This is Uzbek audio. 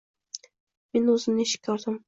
Men o‘zimni eshikka urdim